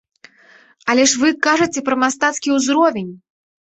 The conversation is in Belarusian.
Але вы ж кажаце пра мастацкі ўзровень!